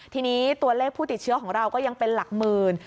ทีนี้ตัวเลขผู้ติดเชื้อของเราก็ยังเป็นหลักหมื่น